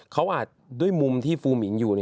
เขาอาจด้วยมุมที่ฟูมิงอยู่